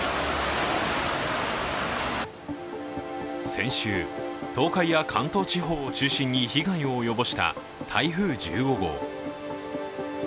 先週、東海や関東地方を中心に被害を及ぼした台風１５号。